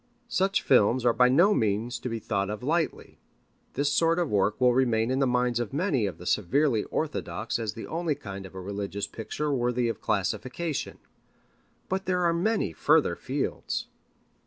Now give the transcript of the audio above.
Such films are by no means to be thought of lightly. This sort of work will remain in the minds of many of the severely orthodox as the only kind of a religious picture worthy of classification. But there are many further fields.